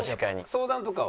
相談とかは？